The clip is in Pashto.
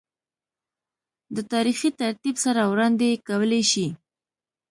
دَ تاريخي ترتيب سره وړاند ې کولے شي